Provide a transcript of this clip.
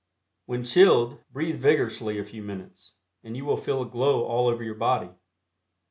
When chilled, breathe vigorously a few minutes, and you will feel a glow all over your body.